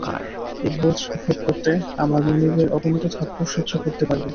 এই ভোজ ভোগ করতে আমার মনিবের অগণিত থাপ্পড় সহ্য করতে পারবো।